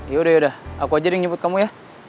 yaudah yaudah aku aja yang ngejemput kamu ya